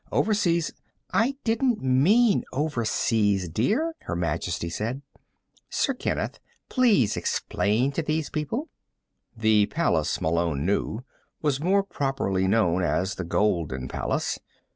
Overseas " "I didn't mean overseas, dear," Her Majesty said. "Sir Kenneth, please explain to these people." The Palace, Malone knew, was more properly known as the Golden Palace.